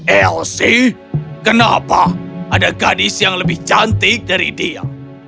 elsie kenapa ada gadis yang lebih cantik dari dia